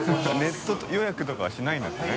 ネット予約とかはしないんですね。